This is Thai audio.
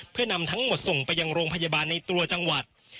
เพื่อนำทั้งหมดส่งไปยังโรงพยาบาลในตัวจังหวัด